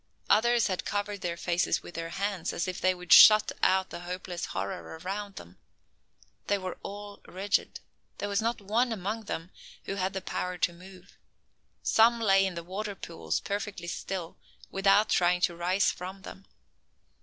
Others had covered their faces with their hands, as if they would shut out the hopeless horror around them. They were all rigid; there was not one among them who had the power to move. Some lay in the water pools, perfectly still, without trying to rise from them.